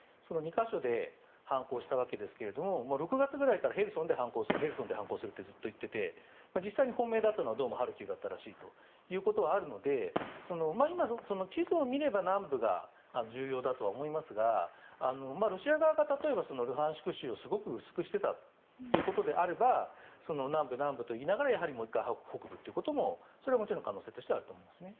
か所で反攻したわけですが６月ぐらいからヘルソンで反攻するってずっと言っていて実は本命だったのはハルキウだったらしいということもあるので今、地図を見れば南部が重要だとは思いますがロシア側が例えばルハンシク州をすごく薄くしていたということであれば南部、南部といいながらもう１回北部ということもそれはもちろん可能性としてはあると思います。